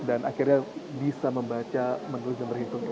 dan akhirnya bisa membaca menulis dan berhitungnya